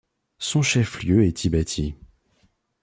Son chef-lieu est Tibati.